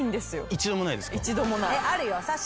一度もない。